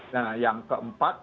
nah yang keempat